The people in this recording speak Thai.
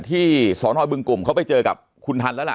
ที่สอนอบึงกลุ่มเขาไปเจอกับคุณทันแล้วล่ะ